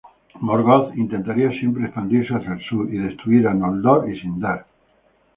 Morgoth intentaría siempre expandirse hacia el sur y destruir a Noldor y Sindar.